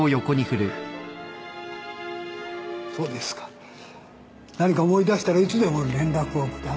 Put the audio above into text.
そうですか何か思い出したらいつでも連絡を下さい。